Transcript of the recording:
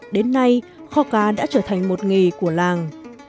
đến nay kho cá đã trở thành một nghề của làng